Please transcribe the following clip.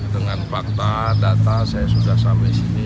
dengan fakta data saya sudah sampai sini